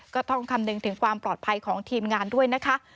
ก็ต้องคำนึงถึงความปลอดภัยของทีมงานด้วยนะคะ